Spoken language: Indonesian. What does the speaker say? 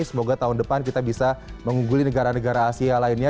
semoga tahun depan kita bisa mengungguli negara negara asia lainnya